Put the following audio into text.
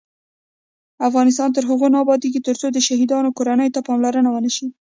افغانستان تر هغو نه ابادیږي، ترڅو د شهیدانو کورنیو ته پاملرنه ونشي.